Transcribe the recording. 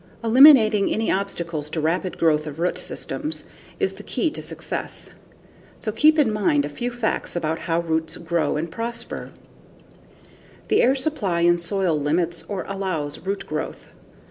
Eliminating any obstacles to rapid growth of root systems is the key to success. So, keep in mind a few facts about how roots grow and prosper. The air supply in soil limits or allows root growth.